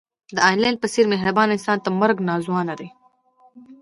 د انیلا په څېر مهربان انسان ته مرګ ناځوانه دی